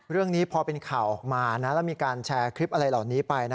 เรื่องนี้พอเป็นข่าวออกมาแล้วมีการแชร์คลิปอะไรเหล่านี้ไป